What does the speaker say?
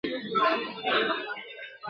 په زړو کفن کښانو پسي ژاړو ..